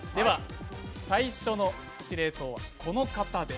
最初の司令塔はこの方です。